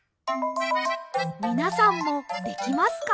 みなさんもできますか？